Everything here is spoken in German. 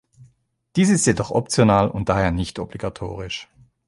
Dies ist jedoch optional und daher nicht obligatorisch.